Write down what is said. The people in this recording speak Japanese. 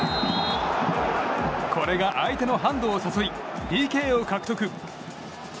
これが相手のハンドを誘いＰＫを獲得。